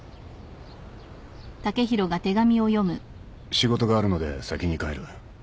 「仕事があるので先に帰る。